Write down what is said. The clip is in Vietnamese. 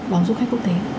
đón du khách quốc tế